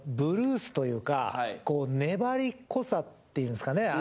粘りっこさっていうんすかね。